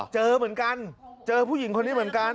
เจอเหมือนกันเจอผู้หญิงคนนี้เหมือนกัน